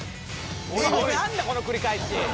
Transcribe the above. もう何だこの繰り返し。